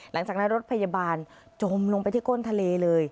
หลังจากนั้นรถพยาบาลจมลงไปที่ก้นทะเลเลย